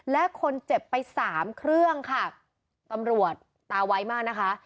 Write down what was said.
และคนเจ็บไปสามเครื่องค่ะตำรวจตาไวมากนะคะ